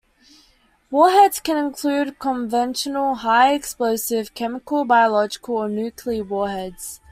Warheads can include conventional high explosive, chemical, biological, or nuclear warheads.